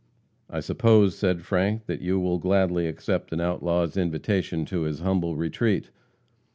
"'I suppose,' said Frank, 'that you will accept an outlaw's invitation to his humble retreat?'